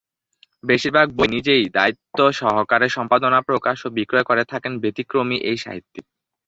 বেশিরভাগ বই নিজেই দায়িত্ব সহকারে সম্পাদনা, প্রকাশ ও বিক্রয় করে থাকেন ব্যতিক্রমী এই সাহিত্যিক।